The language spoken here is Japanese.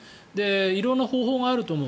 色んな方法があると思う。